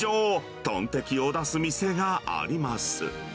トンテキを出す店があります。